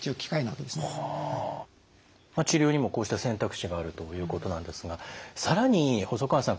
治療にもこうした選択肢があるということなんですが更に細川さん